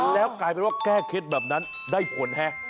แล้วกลายเป็นว่าแก้เคล็ดแบบนั้นได้ผลฮะ